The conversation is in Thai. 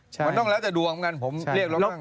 มันต้องแล้วจะดวงกันผมเรียกแล้วกัน